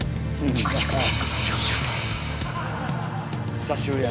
久しぶりや。